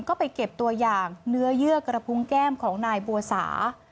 ก็ไปเก็บตัวอย่างเนื้อเยื่อกระพุงแก้มของนายบัวสา